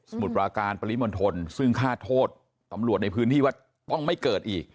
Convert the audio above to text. มุดปราการปริมณฑลซึ่งฆ่าโทษตำรวจในพื้นที่ว่าต้องไม่เกิดอีก